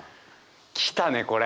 来たねこれ！